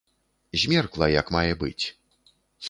Змеркла як мае быць.